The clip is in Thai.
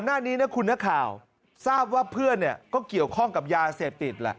หน้านี้นะคุณนักข่าวทราบว่าเพื่อนก็เกี่ยวข้องกับยาเสพติดแหละ